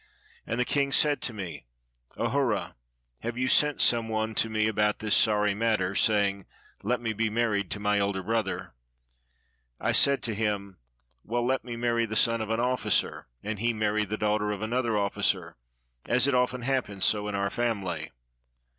And the king said to me, "Ahura, have you sent some one to 47 EGYPT me about this sorry matter, saying, 'Let me be married to my elder brother?'" I said to him, "Well, let me marry the son of an officer, and he marry the daughter of another officer, as it often happens so in our family."